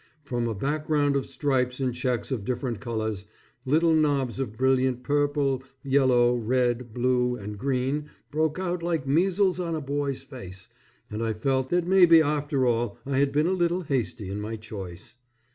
From a background of stripes and checks of different colors, little knobs of brilliant purple, yellow, red, blue, and green broke out like measles on a boy's face, and I felt that maybe after all I had been a little hasty in my choice.